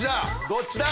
どっちだ？